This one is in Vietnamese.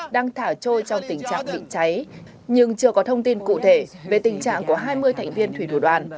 đang thả trôi trong tình trạng bị cháy nhưng chưa có thông tin cụ thể về tình trạng của hai mươi thành viên thủy thủ đoàn